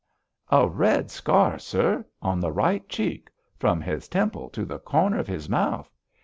'A red scar, sir, on the right cheek, from his temple to the corner of his mouth.